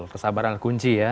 kesabaran kunci ya